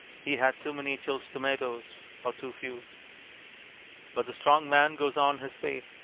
He had too many Chilled Tomatoes or too few. But the Strong Man goes on his way.